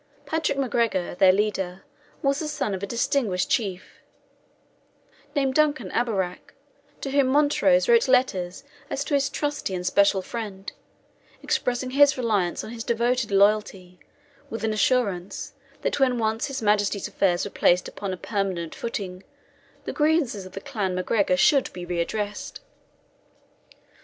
Patrick MacGregor, their leader, was the son of a distinguished chief, named Duncan Abbarach, to whom Montrose wrote letters as to his trusty and special friend, expressing his reliance on his devoted loyalty, with an assurance, that when once his Majesty's affairs were placed upon a permanent footing, the grievances of the clan MacGregor should be redressed.